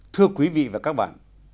thưa quý vị và các bạn